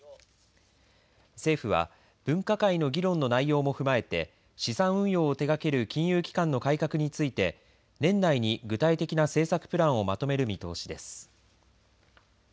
政府は分科会の議論の内容も踏まえて資産運用を手がける金融機関の改革について年内に具体的な政策プランをまとめる見通しです。